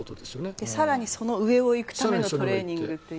更にそれの上を行くためのトレーニングと。